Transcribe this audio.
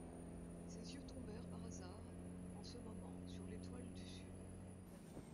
Ses yeux tombèrent par hasard, en ce moment, sur l’Étoile du Sud.